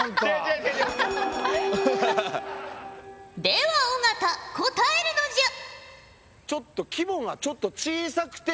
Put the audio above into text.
では尾形答えるのじゃ。